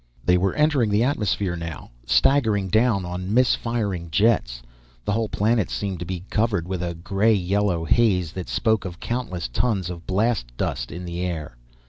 They were entering the atmosphere now, staggering down on misfiring jets. The whole planet seemed to be covered with a gray yellow haze that spoke of countless tons of blast dust in the air.